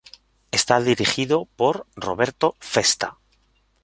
Está dirigido por Roberto Festa.